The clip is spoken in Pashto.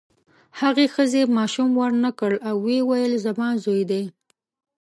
هغې ښځې ماشوم ورنکړ او ویې ویل زما زوی دی.